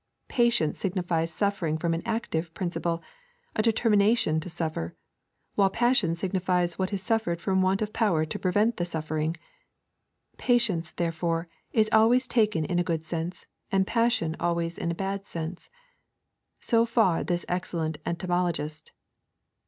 Patience signifies suffering from an active principle, a determination to suffer; while passion signifies what is suffered from want of power to prevent the suffering. Patience, therefore, is always taken in a good sense, and Passion always in a bad sense.' So far this excellent etymologist.